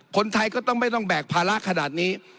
คนไทยก็ต้องไม่ต้องแบกภาระขนาดนี้